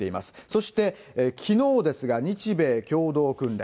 そして、きのうですが、日米共同訓練。